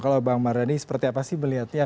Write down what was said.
kalau bang mardhani seperti apa sih melihatnya